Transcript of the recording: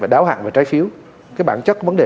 đáo hàng và trái phiếu cái bản chất vấn đề